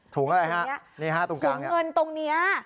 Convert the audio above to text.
อะไรฮะนี่ฮะตรงกลางเงินตรงนี้